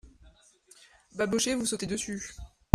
Babochet Vous sautez dessus !